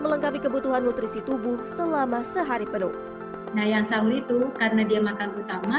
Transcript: melengkapi kebutuhan nutrisi tubuh selama sehari penuh nah yang sahur itu karena dia makan utama